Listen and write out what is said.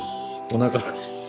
おなか？